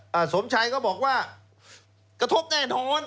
สมชัยก็บอกว่ากระทบแน่นอน